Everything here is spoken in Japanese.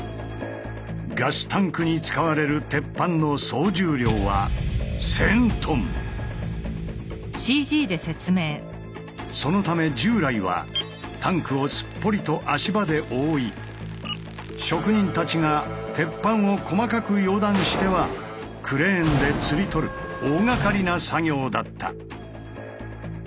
ガスタンクに使われる鉄板の総重量はそのため従来はタンクをすっぽりと足場で覆い職人たちが鉄板を細かく溶断してはクレーンでつり取る大がかりな作業だった。